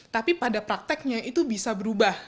tapi pada prakteknya itu bisa berubah